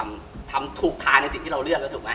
ทำถูกทานในสิ่งที่เราเลือกแล้วถูกไหม